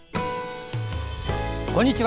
こんにちは。